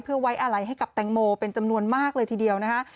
เพื่อไว้อะไรให้กับแตงโมเป็นจำนวนมากเลยทีเดียวนะคะ